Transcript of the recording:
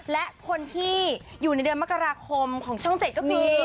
และคนที่อยู่ในเดือนมกราคมของช่อง๗ก็มี